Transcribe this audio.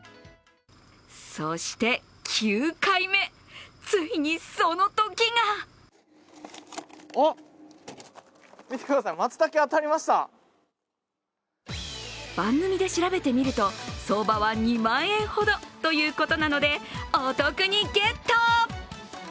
そして９回目、ついにその時が番組で調べてみると、相場は２万円ほどということなので、お得にゲット。